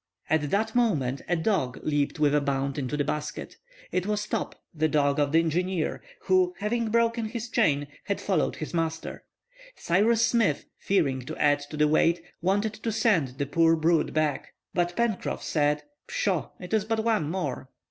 At that moment, a dog leaped with a bound into the basket. It was Top, the dog of the engineer, who, having broken his chain, had followed his master. Cyrus Smith, fearing to add to the weight, wanted to send the poor brute back, but Pencroff said, "Pshaw, it is but one more!"